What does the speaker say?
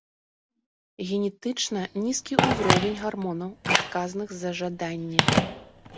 Генетычна нізкі ўзровень гармонаў, адказных за жаданне.